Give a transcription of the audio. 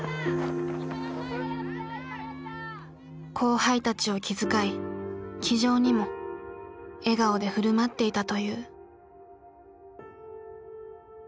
後輩たちを気遣い気丈にも笑顔で振る舞っていたという。